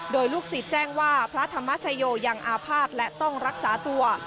โดยลูกศิษย์แจ้งว่าพระธรรมชโยยังอาภาษณ์และต้องรักษาตัว